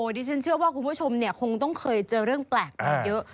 ดิฉันเชื่อว่าคุณผู้ชมคงต้องเคยเจอเรื่องแปลกมาเยอะ